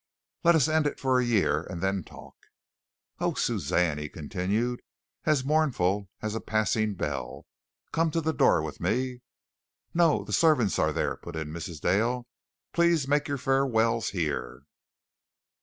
Let us end it for a year, and then talk." "Oh, Suzanne," he continued, as mournful as a passing bell, "come to the door with me." "No, the servants are there," put in Mrs. Dale. "Please make your farewells here."